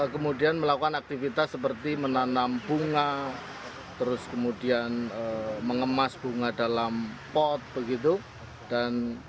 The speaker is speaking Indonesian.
kemudian melakukan aktivitas seperti menanam bunga terus kemudian mengemas bunga dalam pot begitu dan